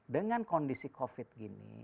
dengan kondisi covid gini